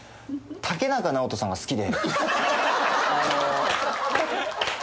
竹中直人さんが好きで。